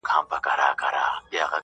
ته تعصب کوې